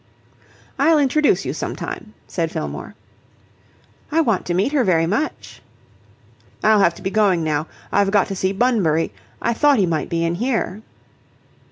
"I'll introduce you sometime,' said Fillmore. "I want to meet her very much." "I'll have to be going now. I've got to see Bunbury. I thought he might be in here."